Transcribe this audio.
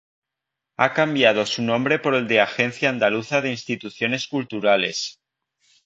Ha cambiado su nombre por el de Agencia Andaluza de Instituciones Culturales.